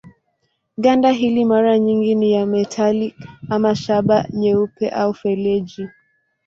Ganda hili mara nyingi ni ya metali ama shaba nyeupe au feleji.